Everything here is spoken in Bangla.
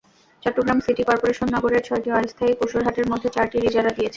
চট্টগ্রাম সিটি করপোরেশন নগরের ছয়টি অস্থায়ী পশুর হাটের মধ্যে চারটির ইজারা দিয়েছে।